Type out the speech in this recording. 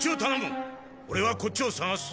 オレはこっちを捜す。